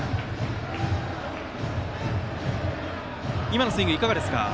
今のスイングはいかがですか。